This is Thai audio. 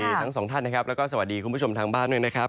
ทั้งสองท่านนะครับแล้วก็สวัสดีคุณผู้ชมทางบ้านด้วยนะครับ